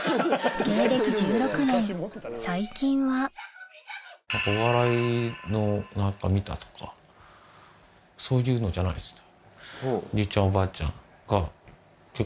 芸歴１６年最近は「お笑いの見た」とかそういうのじゃないですね。